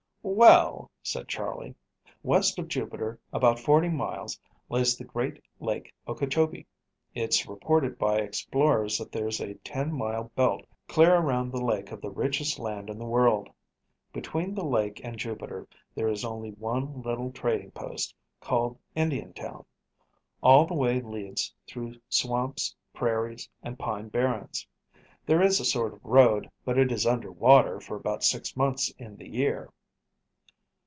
"Well," said Charley, "West of Jupiter about forty miles lays the great lake Okeechobee. It's reported by explorers that there's a ten mile belt clear around the lake of the richest land in the world. Between the lake and Jupiter there is only one little trading post, called Indiantown. All the way leads through swamps, prairies, and pine barrens. There is a sort of road, but it is under water for about six months in the year."